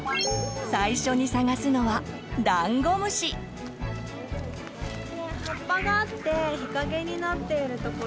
最初に葉っぱがあって日陰になっている所